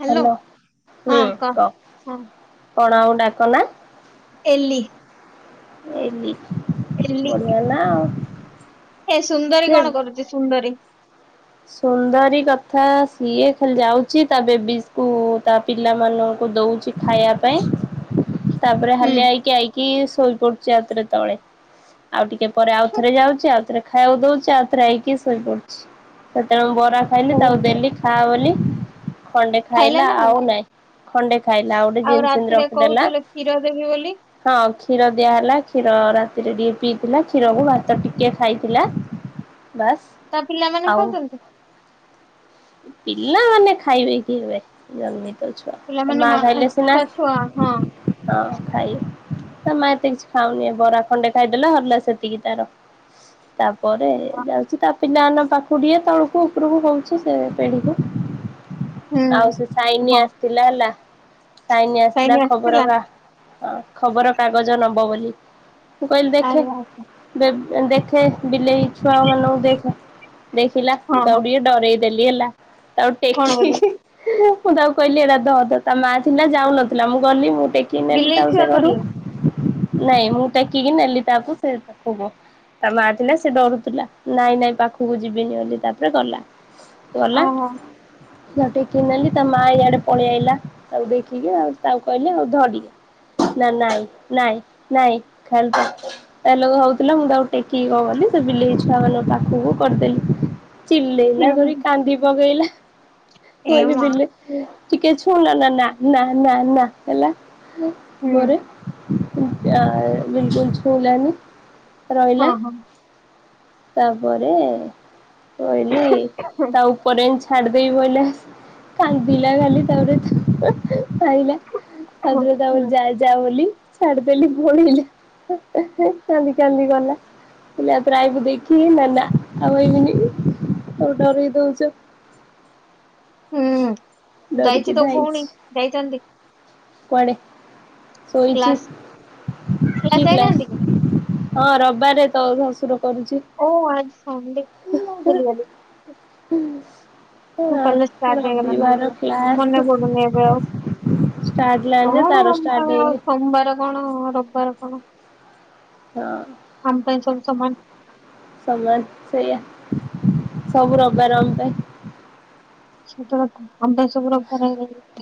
Hello hello ହୁଁ କହ ହଁ କଣ ଆଉ ଡାକନା? ଏଲି। ଏଲି। ଏଲି। ହ ନା। ଏ ସୁନ୍ଦରୀ କିଏ କଣ କରୁଚି ସୁନ୍ଦରୀ? ସୁନ୍ଦରୀ କଥା ସିଏ ଖାଲି ଯାଉଚି ତା ବେବିସ୍ କୁ ତା ପିଲାମାନଙ୍କୁ ଦଉଚି ଖାଇବା ପାଇଁ। ତାପରେ ହୁଁ ହାଲିଆ ହେଇକି ଆଇକି ଶୋଇ ପଡୁଚି ଆଉଥରେ ତଳେ। ଆଉ ଟିକେ ପରେ ଆଉଥରେ ଯାଉଛି ଆଉଥରେ ଖାଇବାକୁ ଦଉଛି ଆଉଥରେ ଆଇକି ଶୋଇପଡୁଛି। ସେତେବେଳେ ମୁଁ ବରା ଖାଇଲି ତାକୁ ଓହୋ ଦେଲି ଖାଆ ବୋଲି ଖଣ୍ଡେ ଖାଇଲା ଆଉ ନାଇଁ। ଖଣ୍ଡେ ଖାଇଲା ଆଉ ଗୋଟେ ଜିିନ ସିନ୍ତି ରାତିରେ ରଖିଦେଲା। କହୁଥିଲେ କ୍ଷୀର ଦେବି ବୋଲି ହଁ କ୍ଷୀର ଦିଆହେଲା କ୍ଷୀର ରାତିରେ ଟିକେ ପିଇଥିଲା କ୍ଷୀରକୁ ଭାତ ଟିକେ ଖାଇଥିଲା। ବାସ୍। ତା ପିଲାମାନେ ଆଉ ଖାଉଛନ୍ତି? ପିଲାମାନେ ଖାଇବେ କି ହେବେ ଜନ୍ମି ଛୁଆ ତା ମା ଖାଇଲେ ସିନା ତା ଛୁଆ ହଁ ହଁ ଖାଇ ତା ମା ଏତେ କିଛି ଖାଉନି ବରା ଖଣ୍ଡେ ଖାଇଦେଲା ହରଲା ସେତିକି ତାର। ତାପରେ ଯାଉଛି ତା ପିଲାମାନ କ଼ଂ ପାଖକୁଟିଏ। ତଳକୁ ଉପରକୁ ହଉଛି ସେ ପିଢିକୁ ହୁଁ ଆଉ ସେ ସାଇନି ହଁ ଆସି ଥିଲା ହେଲା ସାଇନି ଆସିଲା ଟାଇମ ଖବର ଆସିଥିଲା ଗା ହ ଖବର କାଗଜ ନବ ବୋଲି ମୁଁ କହିଲି ଦେଖେ ଆରେ ବାପରେ ଦେଖେ ବିଲେଇ ଛୁଆ ମାନଙ୍କୁ ଦେଖ ଦେଖିଲା ହଁ ମୁଁ ହଁ ତାକୁ ଟିକେ ଡରେଇ ଦେଲି ହେଲା ତାକୁ କଣ ଟେକି ବୋଲି ନେଇକି ମୁଁ ତାକୁ କହିଲି ଏଇଟା ଧ ଧ ତା ମା ଥିଲା ଯାଉନଥିଲା ମୁଁ କଲିି ମୁଁ ଟେ ଟେକି ନେଲି ବିଲେଇ ତାକୁ ଛୁଆ ସେ ଘରୁ ଧରିଲା ନାଇଁ ମୁଁ ଟେକିକି ନେଲି ତାକୁ ସେ ତାକୁ ତା ମା ଥିଲା ସେ ଡରୁଥିଲା ନାଇଁ ନାଇଁ ପାଖକୁ ଯିବିନି ବୋଲି ତା ତାପରେ ଗଲା ଗଲା ଓହୋ ସିଧା ଟେକି ନେଲି ତା ମା ଇଆଡେ ପଳେଇ ଆଇଲା ତାକୁ ଦେଖିକି ଆଉ ତାକୁ କହିଲି ଆଉ ଧଟିକେ। ନା ନାଇଁ ନାଇଁ ନାଇଁ ଖେନ୍ତେ ତା ଲ [inaudible] ହଉଥିଲା ମୁଁ ତାକୁ ଟେକିକି କଣ ବୋଲି ସେ ବିଲେଇ ଛୁଆ ମାନଙ୍କ ପାଖକୁ କରିଦେଲି। ହୁଁ ଚିଲେଇଲା ହୁଁ ଧରି କାନ୍ଦି ପକେଇଲା। ମୁଁ ଏ କହିଲି ମା ବିଲେ ଟିକେ ଛୁଁ ନା ନା ନା ନା ନା ନା ହେଲା। ହୁଁ ପରେ ବିଲକୁଲ ଛୁଇଁଲାନି ହଁ ରହିଲା। ହଁ ତାପରେ କହିଲି ତାଉ ପରେ ଛାଡିଦବି ବୋଇଲା କାନ୍ଦିଲା ଖାଲି ତାପରେ ଧାଇଁଲା। ଆଦରୁ ହୁଁ [inaudible] ଯା ଯା ବୋଲି ଛାଡିଦେଲି ପଳେଇଲା କାନ୍ଦି କାନ୍ଦି ଗଲା। ମୁଁ କଇଲି ଆଉଥରେ ଆଇବୁ ଦେଖି ନା ଆଉ ଆଇବିନି। ତାକୁ ଡରେଇଦଉଛ। ହୁଁ ଡରିକି ଯାଇଛି ତୋ ଧାଇଁଛି ଭଉଣୀ ଯାଇଛନ୍ତି। କୁଆଡେ ସୋଇଛି କ୍ଲାସ କ୍ଲାସ କିକ୍ଲାସ୍। ଯାଇନାହାନ୍ତି କି ହଁ ରବାର୍ ରେ ତ ଶଶୁର କରୁଛି। ଓ ଆଜି ସନ୍ ଡେ କି ମୁଁ ଭୁଲି ଗଲି। ହୁଁ। ଉଁ କଲେଜ୍ ଷ୍ଟାଟ୍ ହେଇଗଲାଣି ମନେ କ୍ଲାସ ପଡୁନି ଏବେ ଆଉ। ଷ୍ଟାର୍ଟ ହେଲାଣି ଯେ କଣ ତାର ଆମ୍ ଷ୍ଟାର୍ଟ ଆଉ ହେଇନି। ସୋମବାର କଣ ରବିବାର କଣ? ହଁ ଅଁ। ଆମ ପାଇଁ ସବୁ ସମାନ। ସମାନ ସେଇଆ ସବୁ ରବ୍ ବାର ର୍ ପାଇଁ। ସେତ କଥା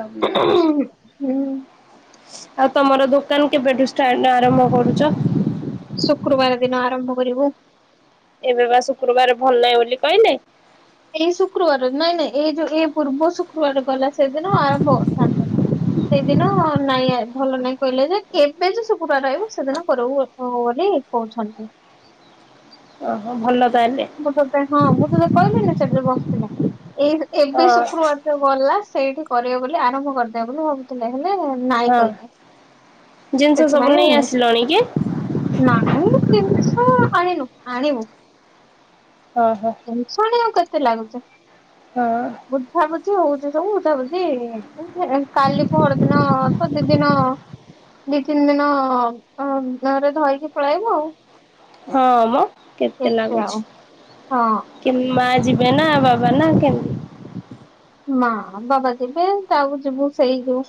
ରବିବାର। [inaudible] ଆଉ ତମର ଦୋକାନ୍ କେବେଠୁ ଷ୍ଟା ଆରମ୍ଭ କରୁଛ? ଶୁକ୍ରବାର ଦିନ ଆରମ୍ଭ କରିବୁ। ଏବେ ବା ଶୁକ୍ରବାର୍ ଭଲ୍ ନାହିଁ ବୋଲି କହିଲେ। ଏଇ ଶୁକ୍ରବାର ନାଇଁ ନାଇଁ ଏଇ ଯୋଉଁ ଏଇ ପୂର୍ବ ଶୁକ୍ରବାର ଗଲା ସେଦିନ ଆରମ୍ଭ ହଉଥାନ୍ତା। ସେଇଦିନ ନାଇଁ ଭଲ ନାଇଁ କହିଲେ ଯେ କେବେ ଯେ ଶୁକ୍ରବାର ଆଇବ ସେଦିନ କରିବୁ। ହବ ବୋଲି କହୁଛନ୍। ଓହୋ ଭଲ ତାହେଲେ? ମୁଁ [unintelligible] ହଁ ମୁଁ ତୋତେ କହିବିନି ସେଠରେ ବସିଥିଲି ଏଇ ଏବେ ହଁ ଶୁକ୍ରବାର୍। ଯୋଉ ଗଲା ସେଇଠି କରିବ ବୋଲି ଆରମ୍ଭ କରିଦେବ୍ ବୋଲି ଭାବୁଛ୍ ହେଲେ ଲେ ନାଇଁ ହଁ କହିଲେ ଜିନିଷ ସବୁ ସେଥିପାଇଁ ନେଇ ମୁଁ ଆସିଲଣି କି? ନାଇଁ ଜିନିଷ ଆଣିନୁ ଆଣିବୁ। ହଁ ହଁ। ଶୁଣିବାକୁ କେମିତି ଲାଗୁଚି? ହଁ ଅଁ। ବୁଝାବୁଝି ହୋଉଛି ସବୁ ବୁଝାବୁଝିଇଁ କାଲି ପହର୍ ଦିନ ତ ଦି ଦିନ। ଦି, ତିନି ଦିନ ଅଁ ଅଁ ଧର୍ ଧୋଇକି ପଳେଆଇବ ଆଉ। ହଁ ଅଁ ମ କେତେ ଏତେ ଲାଗୁଛି। ଆଉ ହଁ କେ ମା ଯିବେ ନା ବାବା ନା କେ? ମା ବାବା ଯିବେ ତାକୁ ଯିବୁ ସେଇ ଯୋଉ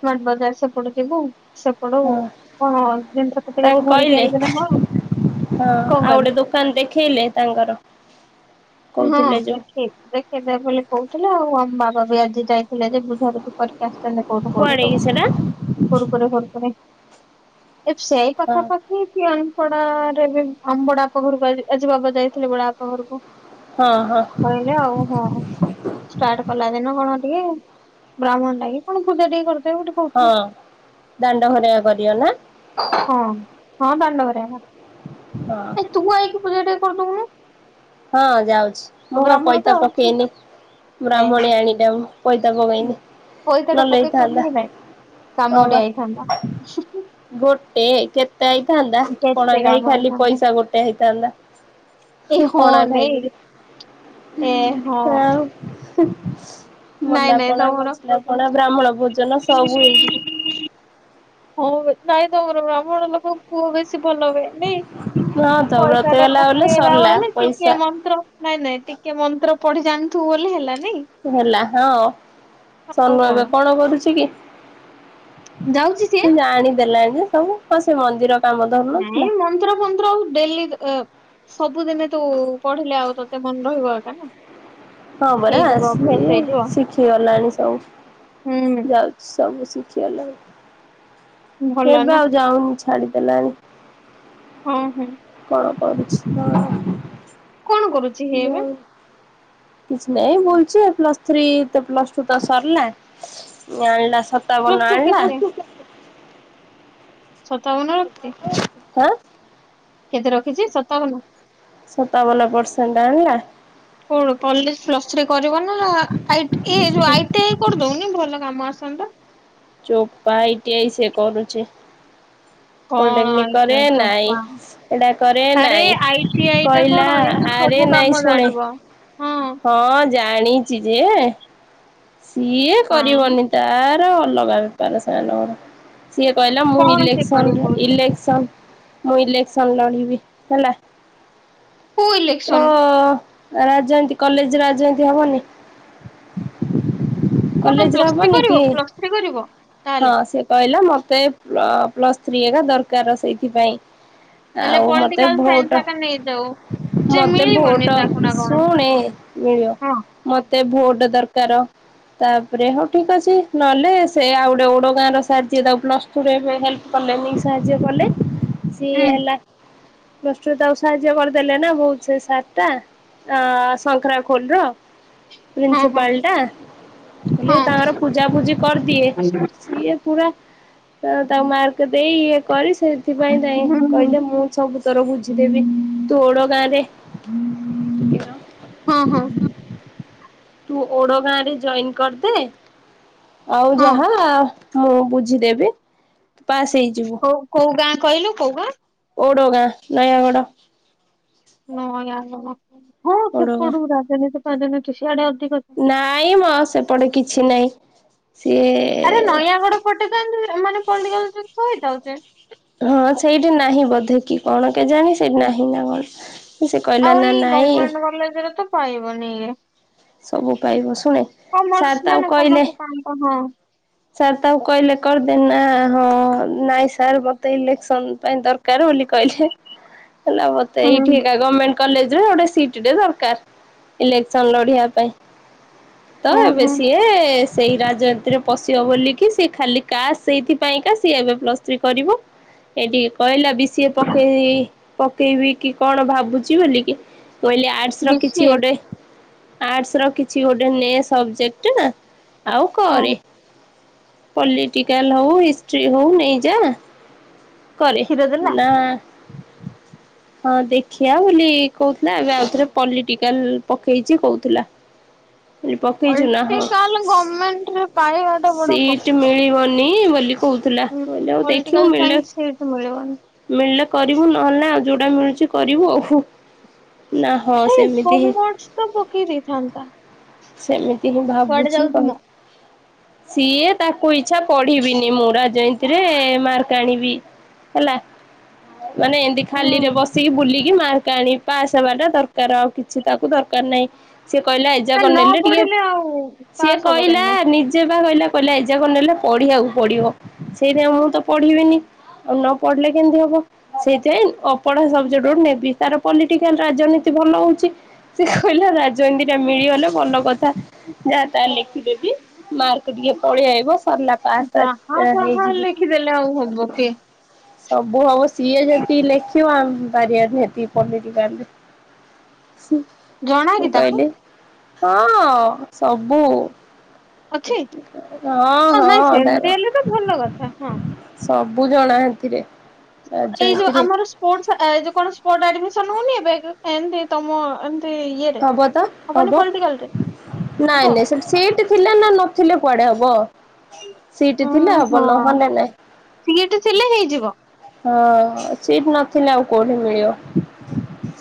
ସ୍ମାର୍ଟ ବଜାର ସେପଟେ ଯିବୁ। ସେପଟୁ ହଁ। କଣ ଜିନିଷ ତାଙ୍କୁ ପତ୍ରିକାକୁ ଧରିକି କହିଲେ ଆଇଲେ ନା କଣ? ହଁ, କଣ ଆଉ କହିଲ ଗୋଟେ ଦୋକାନ ଦେଖେଇଲେ ତାଙ୍କର। ହଁ କହୁଥିଲେ ଯୋଉ ଦେଖେଇ ଦେଖେଇବେ ବୋଲି କହୁଥିଲେ ଆଉ ଆମ ବାବା ବି ଆଜି ଯାଇଥିଲେ ଯେ ବୁଝାବୁଝି। କରିକି ଆସିଛନ୍ତି କୋଉଠୁ କୋଉଠୁ କୁଆଡେ କି ସବୁ ସେଟା କୋଉ ରୁପରେ ଏ ସେଇ ଇ ହଁ ପାଖାପାଖି କି କିଆନ୍ ପଡ଼ା ରେ ବି ବଡା ପ ଘରକୁ ଆଜିିବାବ ଯାଇଥିଲେ ବଡା ପା ଘରକୁ। ହଁ ହଁ। ହେଲେ ଆଉ ହଁ। ଷ୍ଟାର୍ଟ କଲା ଦିନ କଣ ଟିକେ ବ୍ରାହ୍ମଣ ଡାକି କଣ ପୂଜା ଟିକେ କରିଦିବୁ ଟ୍ ହଁ ଦାଣ୍ଡ ଘରେ କରିବ ନା? ହଁ, ହଁ ଦଣ୍ଡବରେ। ହଁ ଆ ତୁ ଆଇକି ପୂଜା ଟିକେ କରିଦଉନୁ? ହଁ ଯାଉଛି ମୁଁ ପା ବ୍ରାହ୍ମଣ ପଇତା ତ ଆଉ ପକେଇନି ଏ ହେ ବ୍ରାହ୍ମଣୀଆଣିି ଟା ମୁଁ। ପଇତା ପକେଇନି ପଇସା ଟା ନହେଲେ ପକେଇଥାନ୍ତା ହେଥାନ୍ତା। କି ନାଇଁ କାମ ଟେ ଆଇଥାନ୍ତା, ଉଁ ଉ। ଗୋଟେ କେତେ ହେଇଥାନ୍ତା ପଣା କେତେ ଖାଇ କାମ ଖାଲି ଆଇଥାନ୍ତା ପଇସା ଗୋଟେ ହେଇଥାନ୍ତା। ଏଇ ହଁ ପଣା ନେଁ ଖାଇକିରି ଏ ହଁ। ନାଇଁ ନାଇଁ ମଲାପାଳ ତମର ବଞ୍ଚିଲାପାଳ ବ୍ରାହ୍ମଣ ଭୋଜନ ସବୁ ଏଇଠି। ହଁ ନାଇଁ ତମର ବ୍ରାହ୍ମଣ ଲୋକ ପୁଅ ବେଶୀ ଭଲ ହୁଏ। ହଁ ତ ବ୍ରତ ପଇତାଟେ ହେଲା ବୋଲେ ପକେଇଲା ସରିଲା ହେଲେ ପଇସା ଟିକିଏ ମନ୍ତ୍ର ନାଇଁ ନାଇଁ ଟିକେ ମନ୍ତ୍ର ପଢି ଜାଣିଥିବୁ ବୋଲି ହେଲାନାଇଁ। ହେଲା ହଁ ସନ ଏବେ କଣ କରୁଛି କି? ଯାଉଛି ସିଏ ସେ ଜାଣିଦେଲାଣି ଯେ ସବୁ କ ସେ ମନ୍ଦିର କାମ ନାଇଁ ଧରୁନଥିଲା। ମନ୍ତ୍ର ଫନ୍ତ୍ର ଆଉ ଡେଲି ସବୁଦିନେ ତୁ ପଢିଲେ ଆଉ ତତେ ମନେ ରହିବ ଏକା ହଁ ବରା ହେଇଯିବ ସିଏ ଅଭ୍ୟାସ ଶିଖ ହେଇଯିବ ଶିଖିଗଲାଣି ସବୁ ହୁଁ ଯାଉଛି ସବୁ ଶିଖିଗଲାଣି। ଭଲ ଏବେ ନା ଆଉ ଯାଉନି ଛାଡିଦେଲାଣି। ହଁ ହଁ। କଣ କରୁଛ? ନା କଣ କରୁଛି ସିଏ ଏବେ ଆଉ କିଛି ନାଇଁ ବଇଛି ଆଉ ପ୍ଲସ ଥ୍ରୀ ତ ପ୍ଲସ ଟୁ ତ ସରିଲା। ଏଇନା ପ୍ଲସ ତାବନ ଟୁ ଆଣିଲା। କେତେ ସତାବନ ରଖିଛି। ହାଁ କେତେ ରଖିଛି ଶତାବନ। ସତାବନ ପରସେଣ୍ଟ ଆଣିଲା। କଣ କଲେଜ ପ୍ଲସ୍ ଥ୍ରୀ କରିବ ନା, ଏ ଯୋଉ ଆଇ ଟି ଆଇ କରି ଦଉନି ଭଲ କାମ ଆସନ୍ତା। ଚୋପା ଆଇ ଟି ଆଇ ସେ କରୁଛି। କଣ ପଲିଟେକ୍ନିକ ଆଇ ଟି କରେ ଆଇ ନାଇଁ ଚୋପା ଏଟା କରେ ଆରେ ନାଇଁ ଆଇ ଟି ଆଇ ଟା କହିଲା। କଣ ଏଇ ଯୋଉ ଆରେ ସବୁ ନାଇଁ କାମ ଶୁଣେ ଜାଣିବ ହଁ ହଁ ଜାଣିଛି ଯେ ସିଏ ହଁ କରିବନି ତାର ଅଲଗା ବେପାର ସାନଙ୍କର। ସିଏ କହିଲା ମୁଁ କଣ ସେ କରିବ ଇଲେକ୍ସନ- କହୁଛି? ଇଲେକ୍ସନ ମୁଁ ଇଲେକ୍ସନ ଲଢିବି ହେଲା। କୋଉ ତ ଇଲେକ୍ସନ ରାଜନୀତି କଲେଜରେ ରାଜନୀତି ହବନି। କଣ କଲେଜରେ ପ୍ଲସ ଥ୍ରୀ ହବନି କି? କରିବ ପ୍ଲସ ଥ୍ରୀ କରିବ ତାହେଲେ ହଁ ସେ କହିଲା ମତେ ପ୍ଲ -ପ୍ଲସ୍ ଥ୍ରୀ ହେରିକା ଦରକାର ସେଇଥିପାଇଁ ହେଲେ ଆଉ ମତେ ପଲିଟିକାଲ ଭୋଟ ସାଇନ୍ସ ଆକା ନେଇଯାଉ ଯେ ମତେ ମିଳିବନି ଭୋଟ ତାକୁ ନା କଣ ଶୁଣେ ମିଳିବ। ହଁ ମୋତେ ଭୋଟ ଦରକାର। ତାପରେ ହଉ ଠିକ୍ ଅଛି। ନହେଲେ ସେ ଆଉ ଗୋଟେ ଓଡ ଗାଁ ର ସାରେ ଯିଏ ତାକୁ ପ୍ଲସ୍ ଟୁ ରେ ହେଲ୍ପ କଲେନି ସାହାଯ୍ୟ କଲେ ସିଏ ହୁଁ ହେଲା ପ୍ଲସ ଟୁ ରେ ତାକୁ ସାହାଯ୍ୟ କରିଦେଲେ ନା ବହୁତ ସେ ସାର ଟା ଶଙ୍କରା ଖୋଲ ର। ହଁ ହଁ ପ୍ରିନ୍ସିପାଲଟା ହେଲେ ହଁ ତାଙ୍କର ପୂଜା ପୂଜି କରିଦିଏ। ସିଏ ପୁରା ତାକୁ ମାର୍କ ଦେଇ ଇଏ କରି ସେ ଏଥି ପାଇଁ ନାଇଁ ହୁଁ ହୁଁ କହିଲେ ମୁଁ ସବୁତୋର ବୁଝିଦେବି ତୁ ଓଡ଼ ଗାଁରେ ହଁ- ହଁ ତୁ ଓଡ ଗାଁରେ ଜଏନ୍ କରିଦେ। ଆଉ ହଁ ଯାହା ମୁଁ ବୁଝିଦେବି ପାସ୍ ହେଇଯିବୁ। କୋଉ କୋଉ ଗାଁ କହିଲୁ କୋଉ ଗାଁ ଓଡୋଗାଁ ନୟାଗଡ। ନୟାଗଡ଼ ହଁ ଓଡଗାଁ ସେପଟୁ ରାଜନୀତି ଫଜନୀତି ସିଆଡେ ଅଧିକ ନାଇଁ ମ ସେପଟେ କିଛି ନାଇଁ ସିଏ ଆରେ ନୟାଗଡ ପଟେଇଥାନ୍ତୁାନେ ପଡିଗି ଶୋଇଥାଉଛେ [unintelligible] ହଁ ସେଇଠି ନାହିଁ ବୋଧେ କି କଣ କେ ଜାଣି ସେଇଠି ନାହିଁ ନା କଣ? ସେ କହିଲା ଆଉ ନା ଏଇ ନାଇଁ ଗର୍ମେଣ୍ଟ କଲେଜରେ ତ ପାଇବନି ଇଏ। ସବୁ ପାଇବ ଶୁଣେ କମର୍ସ ସାର୍ ନା ତାକୁ ନା କହିଲେ କମର୍ସ ପାଇଁ ତ ହଁ। ସାର୍ ତାକୁ କହିଲେ କରିଦେ ନା ହଁ ନାଇଁ ସାର୍ ମତେ ଇଲେକ୍ସନ ପାଇଁ ଦର କାର ବୋଲି କହିଲେ। କହିଲା ମତେ ହୁଁ ଏଇଠି ଗର୍ମେଣ୍ଟ କଲେଜରେ ଗୋଟେ ସିଟ ଟେ ଦରକାର ଇଲେକ୍ସନ ଲଢିବା ପାଇଁ। ତ ଏବେ ଓହୋ ସିଏ ସେଇ ରାଜନୀତିର ପଶିବଲିକି ସିଏ ଖାଲି କାସ ସେଇଥିପାଇଁକା ସିଏ ଏବେ ପ୍ଲସ୍ ଥ୍ରୀ କରିବ। ଏଠିକି କହିଲା ବି ସିଏ ପକେଇ ପକେଇବି କି କଣ ଭାବୁଛି ବୋଲିକି କହିଲି ଆ ଆର୍ଡସ ର ବି ସି କିଛି ଏ ଗୋଟେ ଆର୍ଡସ ର କିଛି ଗୋଟେ ନେସବ ଜେକ୍ଟ ନା ଆ ଆଉ ହଁ କରେ। ପଲିଟିକାଲ ହଉ ହିଷ୍ଟ୍ରି ହଉ ନେଇଯା। କରେ କ୍ଷୀର ଦେଲା ନା ହଁ ଦେଖିଆ ବୋଲି କହୁଥିଲା ଏବେ ଆଉଥରେ ପଲିଟିକାଲ ପକେଇଛି କହୁଥିଲା। କଲି ପକେଇଛୁ ନା ହଁ। ଅଲଟିକାଲ [unintelligible] ବଡ ସିଟି କଷ୍ଟ। ମିଳିବନି ବୋଲି କହୁ ଥିଲା ମୁଁ ହୁଁ କହିଲି ହଉ ଦେଖିବୁ ପଲିଟିକାଲ ମିଳୁ। ସାଇନ୍ସ ସେଇଠୁ ମିଳିବନି ମିଳିଲେ କରିବୁ ନହେଲେ ନାଇଁ ଆଉ ଯୋଉଟା ମିଳୁଛି କରିବୁ ଆଉ ହୁଁ ନା। ହଁ ଏଇ ସେମିତି ହିଁ କମର୍ସ ତ ପକେଇ ଦେଇଥାନ୍ତା। ସେମିତି ହିଁ କୁଆଡେ ଭାବୁଛି ଯାଉଥୁମ? କହି ସିଏ ତାକୁ ଇଚ୍ଛା ପଢିବିନି ମୁଁ ରାଜନିତି ରେ ମାର୍କ ଆଣିବି। ହେଲା ମାନେ ଏମତି ଖାଲିରେ ହୁଁ ବସିକି ବୁଲିକି ମାର୍କ ଆଣି ପାସ ହେବା ଟା ଦରକାର ଆଉ କିଛି ତାକୁ ଦରକାର ନାହିଁ। ସିଏ କହିଲା ଏଜାଗ ନା ନ ନେଲେ ଟିକେ ପଢିଲେ ଆଉ ସିଏ ପାସ୍ ହବ କହିଲା କେମିତି? ନି ସିଏବା କହିଲା କହିଲା ଏଯାକ ନେଲେ ପଢିବାକୁ ପଡିବ ସେଇଟା ମୁଁ ତ ପଢିବିନି ଆଉ ନ ପଢିଲେ କେମିତି ହବ। ସେଇଥିପାଇଁ ଅପଢା ସବଜେଟ ଗୋଟେ ନେବି ତାର ପଲିଟିକାଲ ରାଜନୀତି ଭଲ ହଉଛି। ସେ କହିଲା ରାଜନିନ୍ଦୀ ଟା ମିଳିଗଲେ ଭଲ କଥା ଯାହା ତା ଲେଖିଦେବି। ମାର୍କ ଟିକେ ପଳେଇ ଆଇବ ସରିଲା ପାସ୍ ଯାହା ପାସ୍ ଏ ଯାହା ହେଇଯିବି। ଲେଖିଦେଲେ ଆଉ ହବ କିଏ ସବୁ ହବ ସିଏ ଯେମିତି ଲେଖିବ ଆମ ପାରିବାନି ଯେତିକି ପଲିଟିକାଲରେ। ସି ଜଣା ମୁଁ କି ତାକୁ କହିଲି ହଁ ସବୁ। ଅଛି ହଁ ନାଇଁ ସେମିତି ହେଲେ ତ ଭଲ କଥା ହଁ। ସବୁ ଜଣା ହେଥିରେ। ଅ ଏଇ ଯୋଉ ରାଜନୀତିରେ ଆମର ସ ପ୍ପୋଡସ ଆ ଏଇ ଯଉ କଣ ପ୍ପୋଡ ଆଡ଼ମିଶନ ହଉନି ଏବେ କେ ଏମତି ତମ ଏମତି ଇ ହବ ତ ହବ ନାଇଁ ହବ? ନାଇଁ ସେଠି ସିଟି ଥିଲେ ନା ନଥିଲେ କୁଆଡେ ହବ ସେଇଟି ଥିଲେ ହବ ନହେଲେ ନାଇଁ। ସିଇଟି ଥିଲେ ହେଇଯିବ। ହଁ ସିଟି ନଥିଲେ ଆଉ କୋଉଠି ମିଳିବ।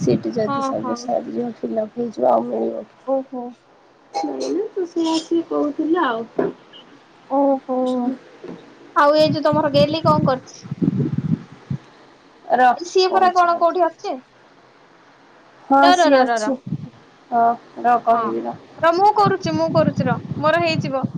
ସିଟ୍ ହଁ ଯଦି ହଁ ସବୁ ସରିଯିବ ଫିଲପ୍ ହେଇଯିବ ଆଉ ମିଳିବ କି? ଓହୋ। ନାଇଁନା ତୁ ସିଏ ଆସି କହୁଥିଲା ଆଉ। ଓହୋ ଆଉ ଏ ଯୋଉ ତମର ଗେଲି କଣ କରୁଛି? ର ଆରେ ସିଏ ପରା କଣ କହୁଛି କୋଉଠି ଅଛି? ହଁ ର ର ସିଏ ର ର ର ଅଛି ହଁ ର ହଁ କହିବି ର। ର ମୁଁ କରୁଛି ମୁଁ କରୁଛି ର ମୋର ହେଇଯିବ।